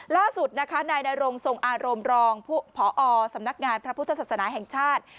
ล่าสุดนะคะนายนรงทรงอารมณ์รองพอสำนักงานพระพุทธศาสนาแห่งชาติ